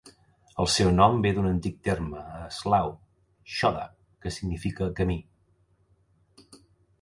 El seu nom ve d'un antic terme eslau "choda", que significa camí.